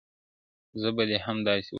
زه به هم داسي وكړم~